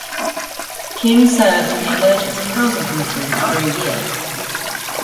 King served in the Emergency Housing Committee for a year.